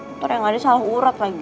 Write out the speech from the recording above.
untung yang lain salah urut lagi